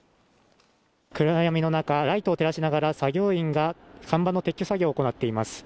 暗闇の中ライトを照らしながら作業員が看板の撤去作業を行っています